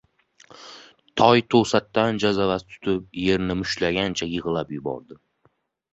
— Toy to‘satdan jazavasi tutib yerni mushtlagancha yig‘lab yubordi.